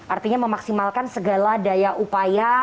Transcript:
artinya memaksimalkan segala daya upaya